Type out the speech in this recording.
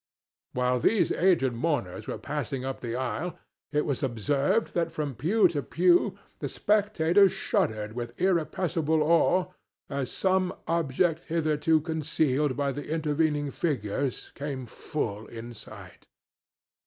While these aged mourners were passing up the aisle it was observed that from pew to pew the spectators shuddered with irrepressible awe as some object hitherto concealed by the intervening figures came full in sight.